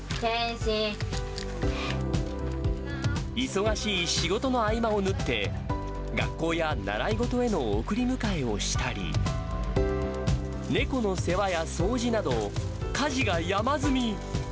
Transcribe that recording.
忙しい仕事の合間を縫って、学校や習い事への送り迎えをしたり、猫の世話や掃除など、家事が山積み。